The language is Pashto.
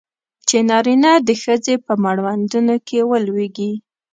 چې نارینه د ښځې په مړوندونو کې ولویږي.